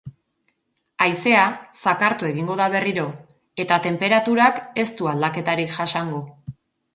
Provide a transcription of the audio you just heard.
Haizea zakartu egingo da berriro eta tenperaturak ez du aldaketarik jasango.